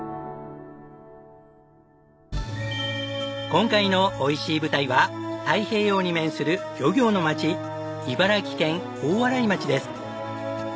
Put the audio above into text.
今回のおいしい舞台は太平洋に面する漁業の町茨城県大洗町です。